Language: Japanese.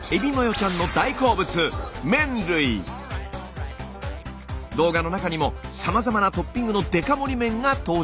ちゃんの大好物動画の中にもさまざまなトッピングのデカ盛り麺が登場します。